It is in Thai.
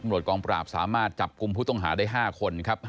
กองปราบสามารถจับกลุ่มผู้ต้องหาได้๕คนครับ